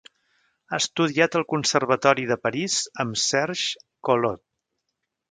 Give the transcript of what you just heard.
Ha estudiat al Conservatori de París amb Serge Collot.